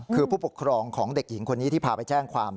คือผู้ปกครองของเด็กหญิงคนนี้ที่พาไปแจ้งความ